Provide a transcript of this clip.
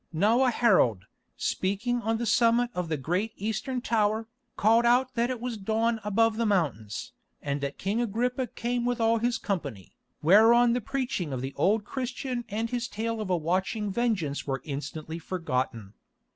Now a herald, speaking on the summit of the great eastern tower, called out that it was dawn above the mountains, and that King Agrippa came with all his company, whereon the preaching of the old Christian and his tale of a watching Vengeance were instantly forgotten.